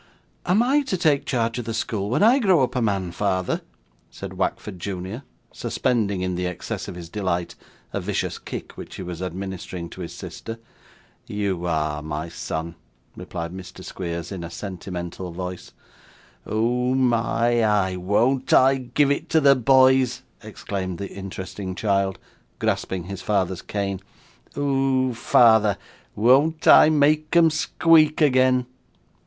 'Am I to take care of the school when I grow up a man, father?' said Wackford junior, suspending, in the excess of his delight, a vicious kick which he was administering to his sister. 'You are, my son,' replied Mr. Squeers, in a sentimental voice. 'Oh my eye, won't I give it to the boys!' exclaimed the interesting child, grasping his father's cane. 'Oh, father, won't I make 'em squeak again!